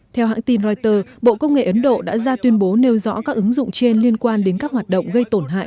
theo hãng tin reuters bộ công nghệ ấn độ đã ra tuyên bố nêu rõ các ứng dụng trên liên quan đến các hoạt động gây tổn hại